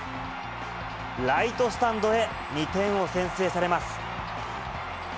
ライトスタンドへ、２点を先制されます。